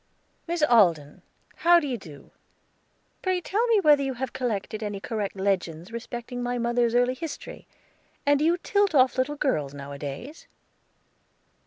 "Miss Alden, how do you do? Pray tell me whether you have collected any correct legends respecting my mother's early history. And do you tilt off little girls nowadays?"